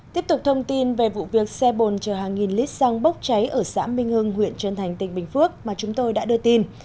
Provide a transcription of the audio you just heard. tiếp tục thông tin về vụ việc xe bồn chở hàng nghìn lít xăng bốc cháy ở xã minh hưng huyện trân thành tỉnh bình phước mà chúng tôi đã đưa tin